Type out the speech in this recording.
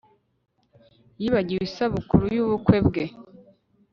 Yibagiwe isabukuru yubukwe bwe